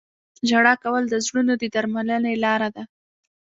• ژړا کول د زړونو د درملنې لاره ده.